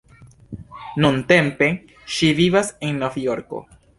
Nuntempe, ŝi vivas en Nov-Jorko.